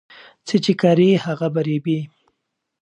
څه چې کري هغه به رېبې